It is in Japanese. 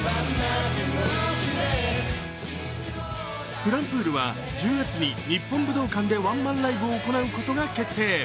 ｆｌｕｍｐｏｏｌは１０月に日本武道館でワンマンライブを行うことが決定。